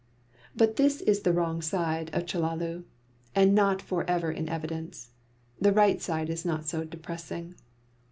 But this is the wrong side of Chellalu, and not for ever in evidence. The right side is not so depressing.